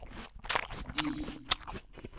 Dii.